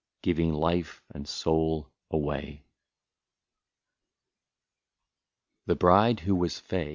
Giving life and soul away. i65 THE BRIDE WHO WAS FEY.